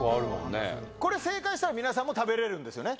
これ、正解したら皆さんも食べれるんですよね？